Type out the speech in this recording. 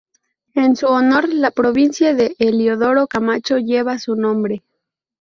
En su honor, la Provincia de Eliodoro Camacho lleva su nombre.